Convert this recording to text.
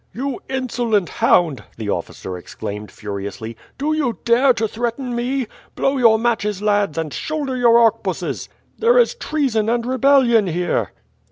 "You insolent hound!" the officer exclaimed furiously, "do you dare to threaten me. Blow your matches, lads, and shoulder your arquebuses. There is treason and rebellion here."